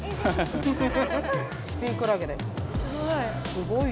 すごい。